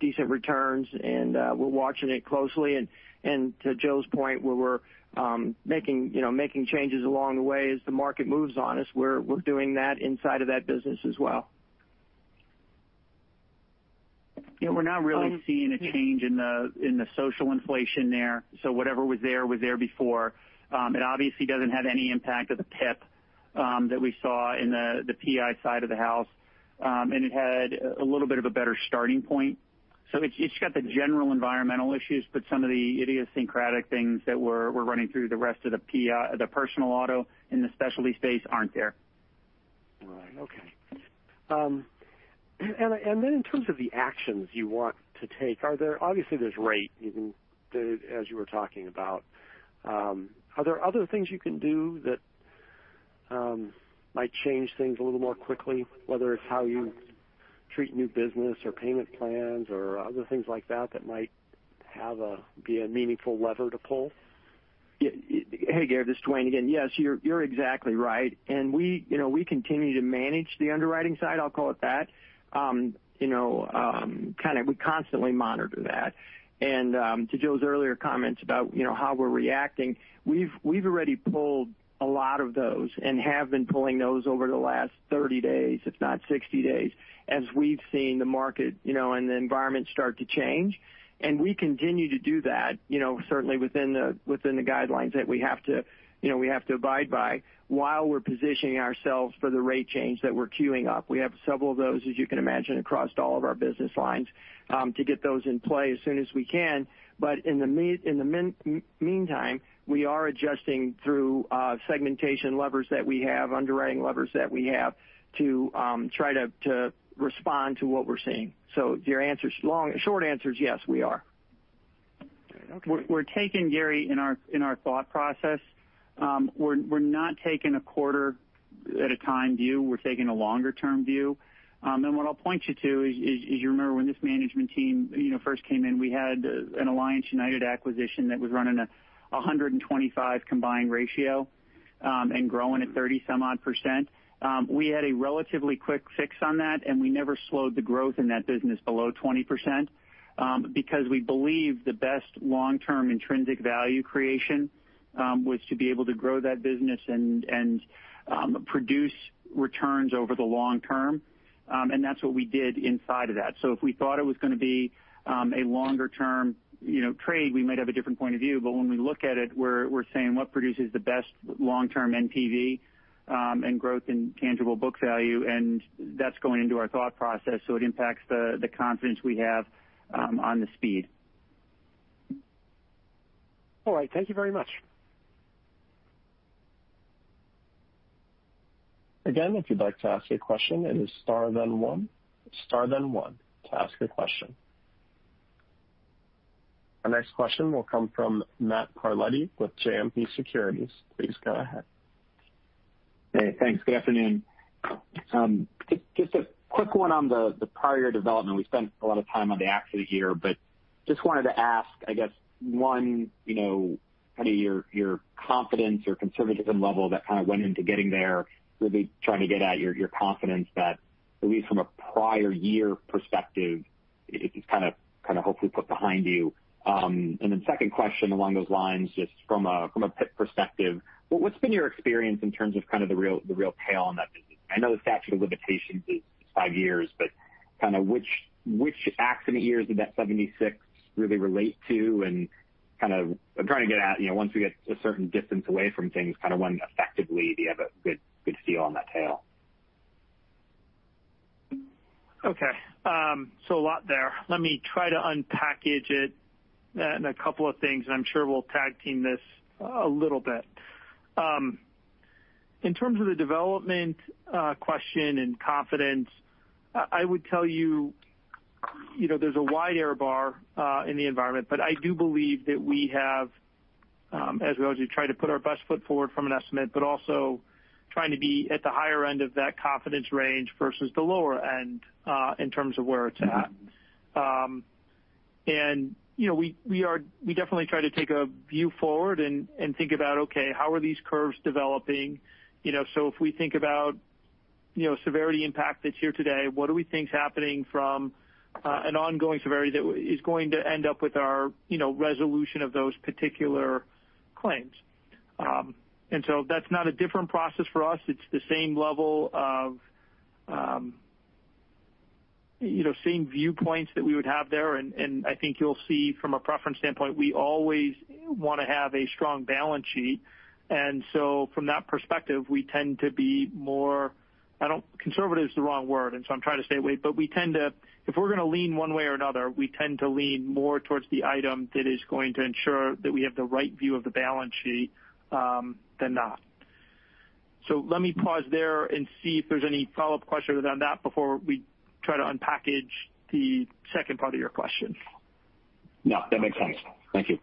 Speaker 5: decent returns, and we're watching it closely. To Joe's point, where we're making changes along the way as the market moves on us, we're doing that inside of that business as well.
Speaker 3: Yeah. We're not really seeing a change in the social inflation there. Whatever was there, was there before. It obviously doesn't have any impact of the PIP that we saw in the PI side of the house. It had a little bit of a better starting point. It's got the general environmental issues, but some of the idiosyncratic things that were running through the rest of the Personal Auto in the specialty space aren't there.
Speaker 9: Right. Okay. In terms of the actions you want to take, obviously, there's a rate, as you were talking about. Are there other things you can do that might change things a little more quickly, whether it's how you treat new business, or payment plans, or other things like that might be a meaningful lever to pull?
Speaker 5: Hey, Gary, this is Duane again. Yes, you're exactly right. We continue to manage the underwriting side, I'll call it that. We constantly monitor that. To Joe's earlier comments about how we're reacting, we've already pulled a lot of those and have been pulling those over the last 30 days, if not 60 days, as we've seen the market and the environment start to change. We continue to do that, certainly within the guidelines that we have to abide by while we're positioning ourselves for the rate change that we're queuing up. We have several of those, as you can imagine, across all of our business lines to get those in play as soon as we can. In the meantime, we are adjusting through segmentation levers that we have, underwriting levers that we have, to try to respond to what we're seeing. Your short answer is yes, we are.
Speaker 9: Okay.
Speaker 3: We're taking, Gary, in our thought process, we're not taking a quarter-at-a-time view. We're taking a longer-term view. What I'll point you to is, as you remember, when this management team first came in, we had an Alliance United acquisition that was running a 125 combined ratio and growing at 30-some odd percent. We had a relatively quick fix on that, and we never slowed the growth in that business below 20%, because we believe the best long-term intrinsic value creation was to be able to grow that business and produce returns over the long term. That's what we did inside of that. If we thought it was going to be a longer-term trade, we might have a different point of view. When we look at it, we're saying what produces the best long-term NPV and growth in tangible book value, and that's going into our thought process, so it impacts the confidence we have on the speed.
Speaker 9: All right. Thank you very much.
Speaker 1: Again, if you'd like to ask a question, it is star then one. Star then one to ask a question. Our next question will come from Matt Carletti with JMP Securities. Please go ahead.
Speaker 10: Hey, thanks. Good afternoon. Just a quick one on the prior development. We spent a lot of time on the accident year, just wanted to ask, I guess, one, your confidence or conservatism level that went into getting there, really trying to get at your confidence that at least from a prior year perspective, it's hopefully put behind you. Then second question along those lines, just from a PIP perspective, what's been your experience in terms of the real tail on that business? I know the statute of limitations is five years, which accident years did that 76 really relate to? I'm trying to get at once we get a certain distance away from things, when effectively do you have a good feel on that tail?
Speaker 4: Okay. A lot there. Let me try to unpackage it in a couple of things, and I'm sure we'll tag-team this a little bit. In terms of the development question and confidence, I would tell you there's a wide error bar in the environment, but I do believe that we have, as we always do, try to put our best foot forward from an estimate, but also trying to be at the higher end of that confidence range versus the lower end in terms of where it's at. We definitely try to take a view forward and think about, okay, how are these curves developing? If we think about the severity impact that's here today, what do we think is happening from an ongoing severity that is going to end up with our resolution of those particular claims? That's not a different process for us. It's the same level of. Same viewpoints that we would have there, and I think you'll see from a preference standpoint, we always want to have a strong balance sheet. From that perspective, we tend to be more, conservative is the wrong word, and so I'm trying to stay away, but if we're going to lean one way or another, we tend to lean more towards the item that is going to ensure that we have the right view of the balance sheet, than not. Let me pause there and see if there's any follow-up questions around that before we try to unpackage the second part of your question.
Speaker 10: No, that makes sense. Thank you.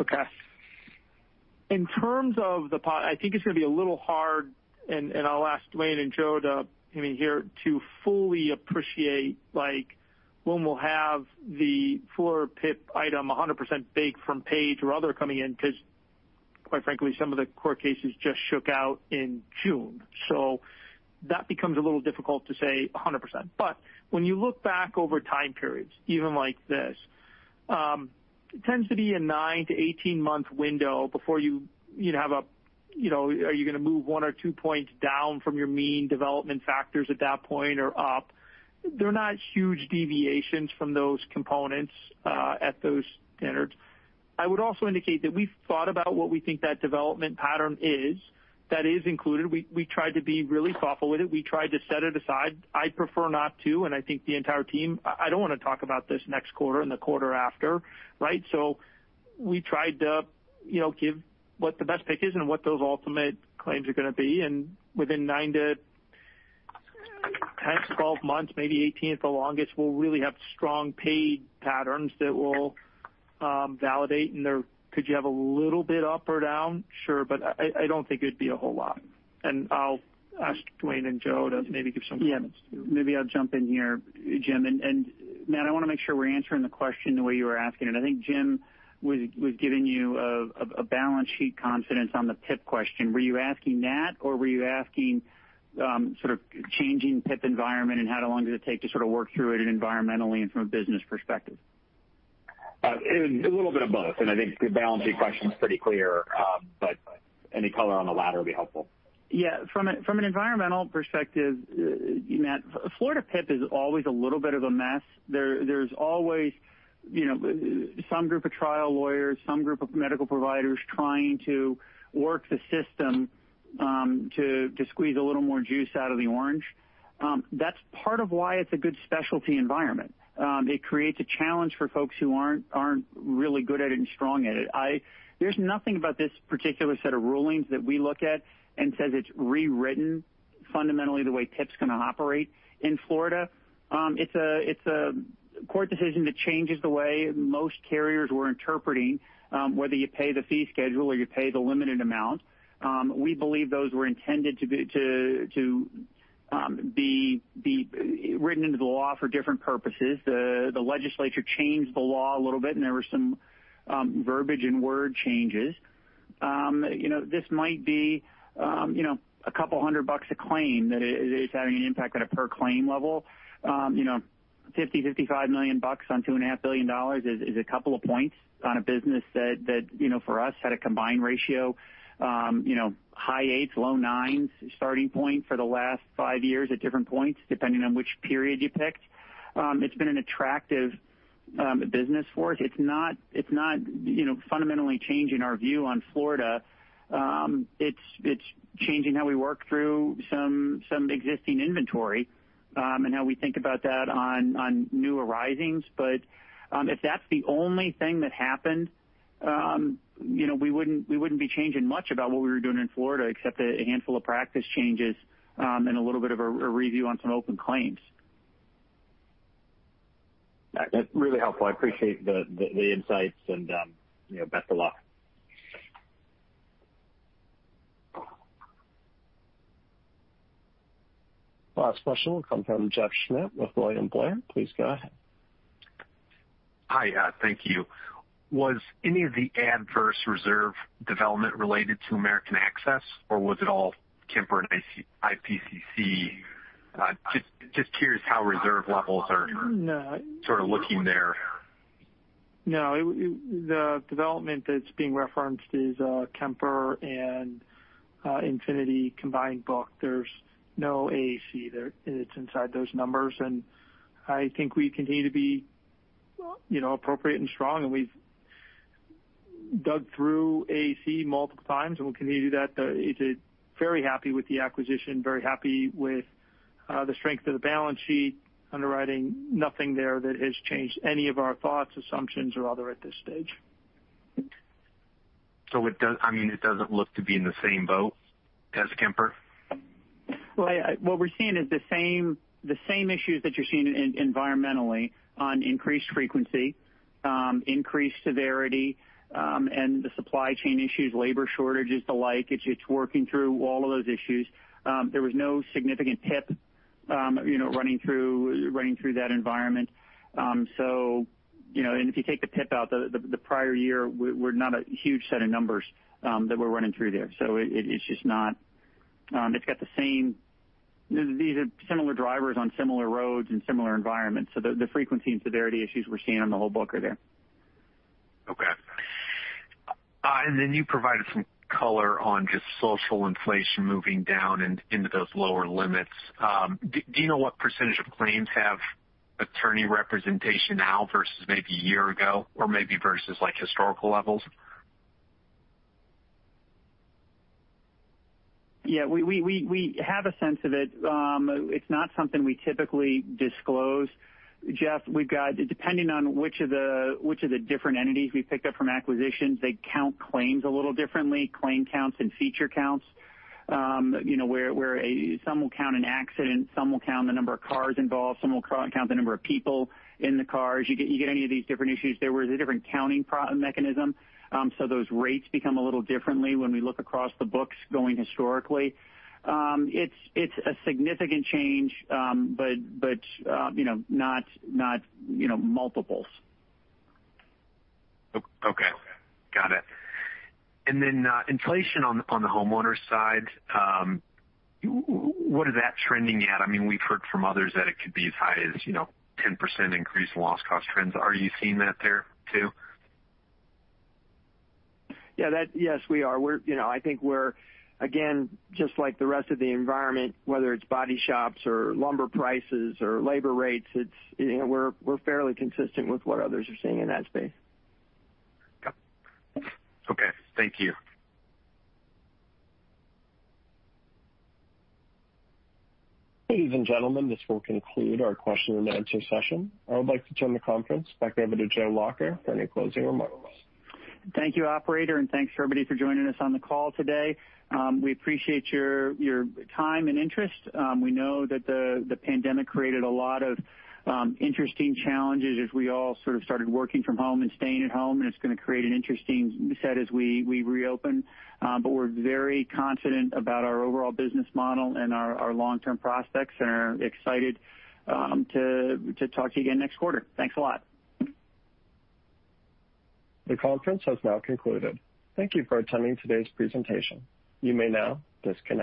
Speaker 4: Okay. In terms of I think it's going to be a little hard, I'll ask Duane and Joe to fully appreciate when we'll have the Florida PIP item 100% baked from paid or other coming in, because quite frankly, some of the court cases just shook out in June, so that becomes a little difficult to say 100%. When you look back over time periods, even like this, it tends to be a 9-18-month window before you have a, are you going to move one or two points down from your mean development factors at that point, or up? They're not huge deviations from those components at those standards. I would also indicate that we've thought about what we think that development pattern is. That is included. We tried to be really thoughtful with it. We tried to set it aside. I'd prefer not to, and I think the entire team, I don't want to talk about this next quarter and the quarter after. Right? We tried to give what the best pick is and what those ultimate claims are going to be. Within 9-10-12 months, maybe 18 at the longest, we'll really have strong paid patterns that will validate. Could you have a little bit up or down? Sure. I don't think it'd be a whole lot. I'll ask Duane and Joe, to maybe give some comments.
Speaker 3: Yeah. Maybe I'll jump in here, Jim. Matt, I want to make sure we're answering the question the way you were asking it. I think Jim was giving you a balance sheet confidence on the PIP question. Were you asking that, or were you asking changing the PIP environment and how long does it takes to work through it environmentally and from a business perspective?
Speaker 10: A little bit of both. I think the balance sheet question is pretty clear. Any color on the latter would be helpful.
Speaker 3: From an environmental perspective, Matt, Florida PIP is always a little bit of a mess. There's always some group of trial lawyers, some group of medical providers, trying to work the system, to squeeze a little more juice out of the orange. That's part of why it's a good Specialty environment. It creates a challenge for folks who aren't really good at it and strong at it. There's nothing about this particular set of rulings that we look at and say it's rewritten fundamentally the way PIP's going to operate in Florida. It's a court decision that changes the way most carriers were interpreting, whether you pay the fee schedule or you pay the limited amount. We believe those were intended to be written into the law for different purposes. The legislature changed the law a little bit, and there were some verbiage and word changes. This might be a couple of hundred dollars a claim that it's having an impact at a per claim level. $50 million-$55 million on $2.5 billion is a couple of percentage points on a business that, for us, had a combined ratio, high eighties, low nines starting point for the last five years at different points, depending on which period you picked. It's been an attractive business for us. It's not fundamentally changing our view on Florida. It's changing how we work through some existing inventory, and how we think about that on new arisings. If that's the only thing that happened, we wouldn't be changing much about what we were doing in Florida, except a handful of practice changes and a little bit of a review on some open claims.
Speaker 10: That's really helpful. I appreciate the insights, and best of luck.
Speaker 1: Last question will come from Jeff Schmitt with William Blair. Please go ahead.
Speaker 11: Hi. Thank you. Was any of the adverse reserve development related to American Access, or was it all Kemper and IPCC? Just curious how reserve levels are?
Speaker 3: No.
Speaker 11: Sort of looking there.
Speaker 3: No, the development that's being referenced is the Kemper and Infinity combined book. There's no AAC there. It's inside those numbers, and I think we continue to be appropriate and strong, and we've dug through AAC multiple times, and we'll continue to do that. Very happy with the acquisition, very happy with the strength of the balance sheet underwriting. Nothing there that has changed any of our thoughts, assumptions, or other at this stage.
Speaker 11: It doesn't look to be in the same boat as Kemper?
Speaker 3: What we're seeing is the same issues that you're seeing environmentally on increased frequency, increased severity, and the supply chain issues, labor shortages, the like. It's working through all of those issues. There was no significant PIP running through that environment. If you take the PIP out, the prior year were not a huge set of numbers that we're running through there. It's got the same drivers on similar roads and similar environments. The frequency and severity issues we're seeing on the whole book are there.
Speaker 11: You provided some color on just social inflation moving down into those lower limits. Do you know what percentage of claims have attorney representation now versus maybe a year ago or maybe versus historical levels?
Speaker 3: Yeah. We have a sense of it. It's not something we typically disclose, Jeff. Depending on which of the different entities we've picked up from acquisitions, they count claims a little differently, claim counts, and feature counts. Where some will count an accident, some will count the number of cars involved, some will count the number of people in the cars. You get any of these different issues? There was a different counting mechanism, so those rates become a little differently when we look across the books going historically. It's a significant change, but not multiples.
Speaker 11: Okay. Got it. Inflation on the homeowners' side, what is that trending at? We've heard from others that it could be as high as 10% increase in loss cost trends. Are you seeing that there too?
Speaker 3: Yes, we are. I think we're, again, just like the rest of the environment, whether it's body shops or lumber prices or labor rates, we're fairly consistent with what others are seeing in that space.
Speaker 11: Okay. Thank you.
Speaker 1: Ladies and gentlemen, this will conclude our question-and-answer session. I would like to turn the conference back over to Joe Lacher for any closing remarks.
Speaker 3: Thank you, operator, and thanks everybody for joining us on the call today. We appreciate your time and interest. We know that the pandemic created a lot of interesting challenges as we all started working from home and staying at home, and it's going to create an interesting set as we reopen. We're very confident about our overall business model and our long-term prospects and are excited to talk to you again next quarter. Thanks a lot.
Speaker 1: The conference has now concluded. Thank you for attending today's presentation. You may now disconnect.